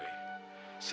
saya ingin menjelaskan